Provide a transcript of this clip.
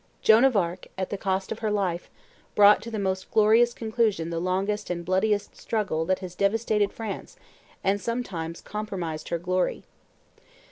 Joan of Arc, at the cost of her life, brought to the most glorious conclusion the longest and bloodiest struggle that has devastated France and sometimes compromised her glory.